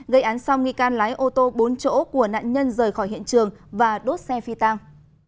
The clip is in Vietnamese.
gây án xong nghi can lái ô tô bốn chỗ của nạn nhân rời khỏi hiện trường và đốt xe phi tăng